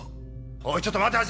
おいちょっと待て始！